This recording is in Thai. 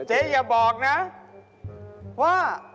แต่อยากรู้